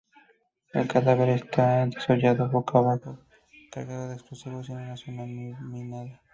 El cadáver estaba degollado, boca abajo, cargado de explosivos y en una zona minada.